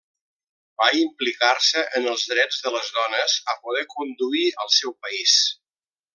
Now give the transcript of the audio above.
Va implicar-se en els drets de les dones a poder conduir al seu país.